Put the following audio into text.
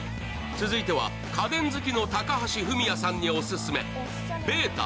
続いては、家電好きの高橋文哉さんにオススメ。